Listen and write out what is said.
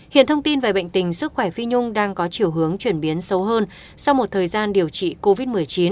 hiện thông tin về bệnh tình sức khỏe phi nhung đang có chiều hướng chuyển biến sâu hơn sau một thời gian điều trị covid một mươi chín